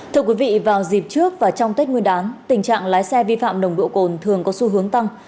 thưa quý vị vào dịp trước và trong tết nguyên đán tình trạng lái xe vi phạm nồng độ cồn thường có xu hướng tăng